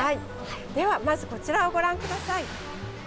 では、まずこちらをご覧ください。